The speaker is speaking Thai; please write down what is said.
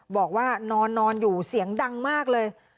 บอกว่านอนอยู่เสียงดังมากเลย